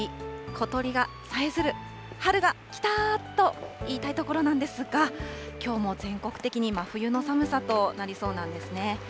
ちょうが舞い、小鳥がさえずる春が来たと言いたいところなんですが、きょうも全国的に真冬の寒さとなりそうなんですね。